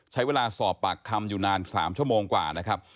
ใช้เวลาสอบปากคำอยู่นาน๓ชั่วโมงกว่านะครับ